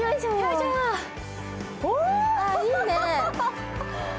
いいね。